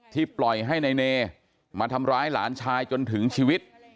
ปล่อยให้นายเนมาทำร้ายหลานชายจนถึงชีวิต